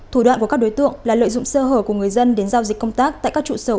thủ đoạn của các đối tượng là lợi dụng sơ hở của người dân đến giao dịch công tác tại các trụ sở